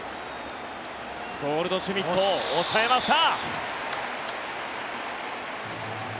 ゴールドシュミットを抑えました。